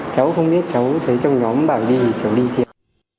cháu không biết cháu thấy trong nhóm bảo đi thì cháu đi thiệt